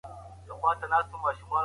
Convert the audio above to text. مینه مهمه ده.